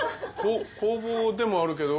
工房でもあるけど？